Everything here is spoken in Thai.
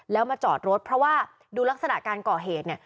แล้วมาจอดรถเพราะว่าดูลักษณะการเกาะเหตุ